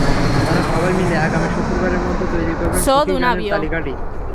তাঁরা সবাই মিলে আগামী শুক্রবারের মধ্যে তৈরি করবেন সুখী গানের তালিকাটি।